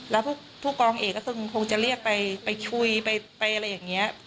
แล้วผู้กองเอกก็คือคงจะเรียกไปคุยไปอะไรอย่างนี้